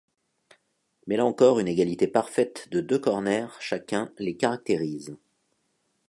Mais là encore une égalité parfaite de deux corners chacun les caractérise.